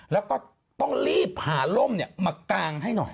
แล้วก็ต้องรีบหาร่มมากางให้หน่อย